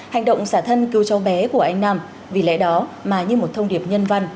hành động xả thân cứu cháu bé của anh nam vì lẽ đó mà như một thông điệp nhân văn